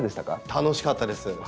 楽しかったです！